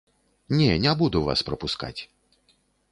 Не, не буду вас прапускаць.